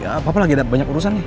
apa apa lagi ada banyak urusan ya